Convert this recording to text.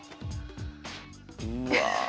うわ！